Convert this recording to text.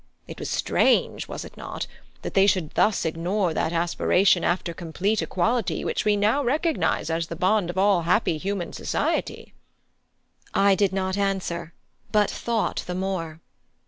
It was strange, was it not, that they should thus ignore that aspiration after complete equality which we now recognise as the bond of all happy human society?" I did not answer, but thought the more.